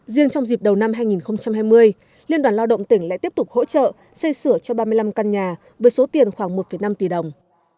riêng trong dịp đầu năm hai nghìn hai mươi liên đoàn lao động tỉnh lại tiếp tục hỗ trợ xây sửa cho ba mươi năm căn nhà với số tiền khoảng một năm tỷ đồng